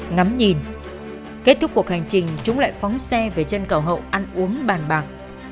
ngắm nhìn kết thúc cuộc hành trình chúng lại phóng xe về chân cầu hậu ăn uống bàn bạc